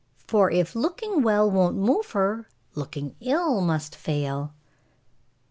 For if looking well won't move her, Looking ill must fail."